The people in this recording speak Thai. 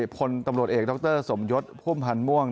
พลตำรวจเอกดรสมยศพุ่มพันธ์ม่วง